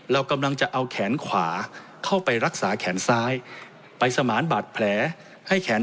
เรากำลังจะเอาแขนขวาเข้าไปรักษาแขนซ้ายไปสมานบาดแผลให้แขน